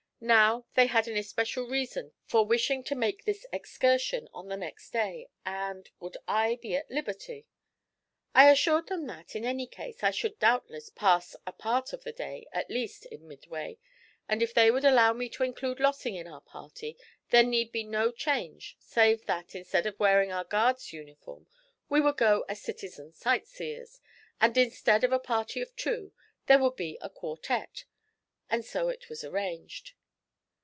Now they had an especial reason for wishing to make this excursion on the next day, and would I be at liberty? I assured them that, in any case, I should doubtless pass a part of the day, at least, in Midway; and if they would allow me to include Lossing in our party there need be no change save that, instead of wearing our guards' uniform, we would go as citizen sight seers; and instead of a party of two, there would be a quartet, and so it was arranged.